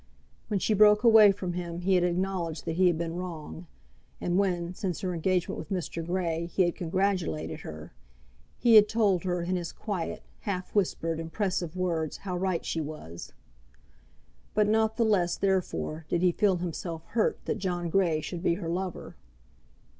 When she broke away from him he had acknowledged that he had been wrong, and when, since her engagement with Mr. Grey, he had congratulated her, he had told her in his quiet, half whispered, impressive words how right she was; but not the less, therefore, did he feel himself hurt that John Grey should be her lover.